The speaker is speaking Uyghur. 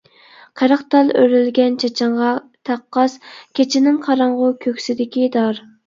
قىرىق تال ئۆرۈلگەن چېچىڭغا تەققاس، كېچىنىڭ قاراڭغۇ كۆكسىدىكى دار.